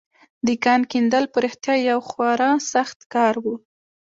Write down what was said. د کان کیندل په رښتيا يو خورا سخت کار و.